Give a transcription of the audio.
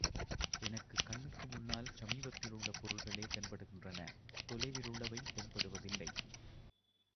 எனக்குக் கண்ணுக்கு முன்னால் சமீபத்திலுள்ள பொருள்களே தென்படுகின்றன தொலைவிலுள்ளவை தென்படுவதில்லை.